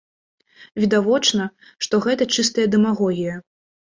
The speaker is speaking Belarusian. Відавочна, што гэта чыстая дэмагогія.